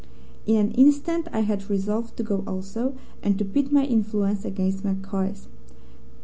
In an instant I had resolved to go also, and to pit my influence against MacCoy's.